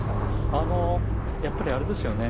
あのやっぱりあれですよね